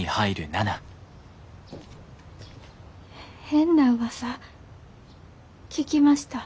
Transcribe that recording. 変なうわさ聞きました。